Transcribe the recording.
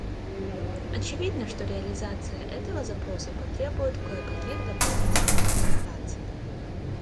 Очевидно, что реализация этого запроса потребует кое-каких дополнительных консультаций.